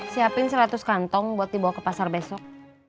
siapkan seratus kantong untuk dibawa ke pasar besok